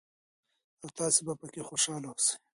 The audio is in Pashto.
او تاسې به پکې تل خوشحاله اوسئ.